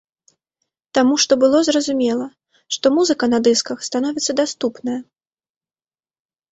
Таму што было зразумела, што музыка на дысках становіцца даступная.